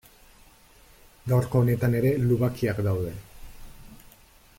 Gaurko honetan ere lubakiak daude.